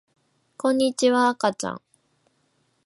こんにちはあかちゃん